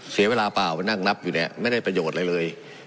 เสียเวลาเปล่ามานั่งนับอยู่เนี่ยไม่ได้ประโยชน์อะไรเลย